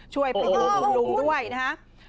ช่วยไปยกลุงด้วยนะคะ